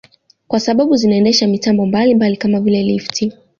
Kwa sababu zinaendesha mitambo mbalimbali kama vile lifti